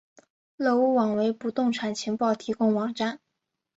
乐屋网为不动产情报提供网站。